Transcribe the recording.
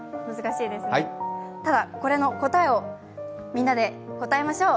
ただ、これの答えをみんなで答えましょう。